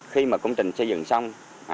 khi mà công trình xây dựng xong